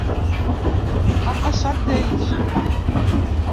Ha passat d’ells.